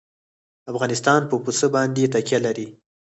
افغانستان په پسه باندې تکیه لري.